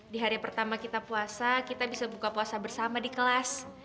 di hari pertama kita puasa kita bisa buka puasa bersama di kelas